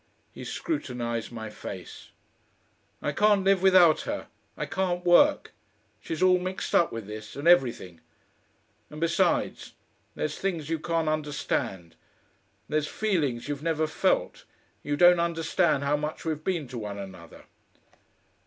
He scrutinised my face. "I can't live without her I can't work. She's all mixed up with this and everything. And besides, there's things you can't understand. There's feelings you've never felt.... You don't understand how much we've been to one another."